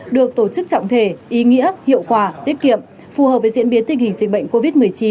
được tổ chức trọng thể ý nghĩa hiệu quả tiết kiệm phù hợp với diễn biến tình hình dịch bệnh covid một mươi chín